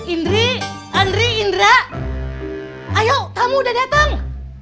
indri andri indra ayo kamu udah datang